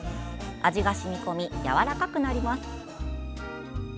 味が染み込みやわらかくなります。